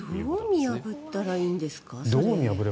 どう見破ったらいいんですか。